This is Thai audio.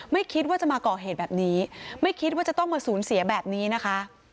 ไม่คิดว่าจะมาก่อเหตุแบบนี้ไม่คิดว่าจะต้องมาสูญเสียแบบนี้นะคะ